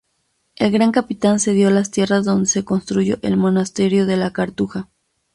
El Gran Capitán cedió las tierras donde se construyó el monasterio de la Cartuja.